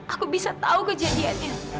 aku bisa tahu kejadiannya